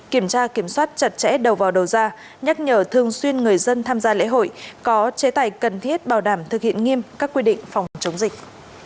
kiểm tra kiểm soát chặt chẽ đầu vào đầu ra nhắc nhở thường xuyên người dân tham gia lễ hội có chế tài cần thiết bảo đảm thực hiện nghiêm các quy định phòng chống dịch